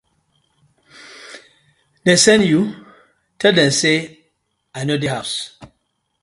Dem send you? tell dem say I no dey house.